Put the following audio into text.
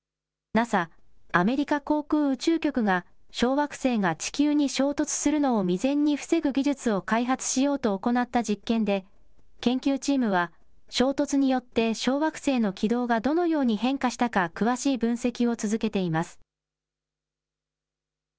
ＮＡＳＡ・アメリカ航空宇宙局が小惑星が地球に衝突するのを未然に防ぐ技術を開発しようと行った実験で研究チームは衝突によって小惑星の軌道がどのように変化したか詳しい分析を続けています。